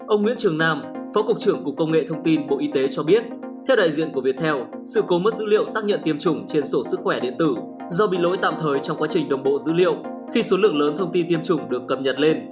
ông nguyễn trường nam phó cục trưởng cục công nghệ thông tin bộ y tế cho biết theo đại diện của viettel sự cố mất dữ liệu xác nhận tiêm chủng trên sổ sức khỏe điện tử do bị lỗi tạm thời trong quá trình đồng bộ dữ liệu khi số lượng lớn thông tin tiêm chủng được cập nhật lên